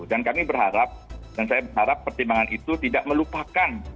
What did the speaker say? dan kami berharap dan saya berharap pertimbangan itu tidak melupakan